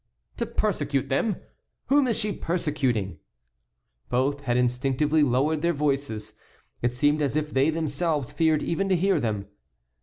"To persecute them! Whom is she persecuting?" Both had instinctively lowered their voices; it seemed as if they themselves feared even to hear them.